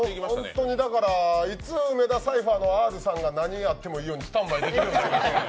だから、いつ梅田サイファーのＲさんが何があってもスタンバイできるようになりました。